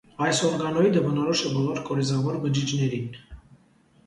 Այս օրգանոիդը բնորոշ է բոլոր կորիզավոր բջիջներին։